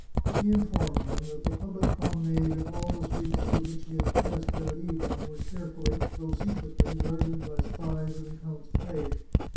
She informed him that the public promenade and all the streets through which he had passed that even ing, were carefully, though secretly, guarded by spies in the count's pay.